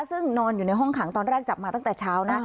ซึ่งนอนอยู่ในห้องขังตอนแรกจับมาตั้งแต่เช้านะ